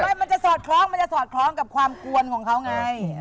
มันจะสอดคล้องกับความกวนของเขาไง